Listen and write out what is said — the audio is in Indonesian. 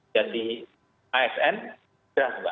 jadi asn dan mbak